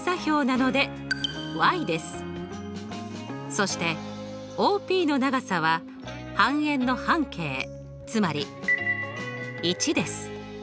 そしてＯＰの長さは半円の半径つまり１です。